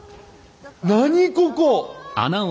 何ここ！